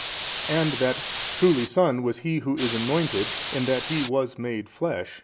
And that truly SON was He Who is anointed in that He WAS MADE flesh, i.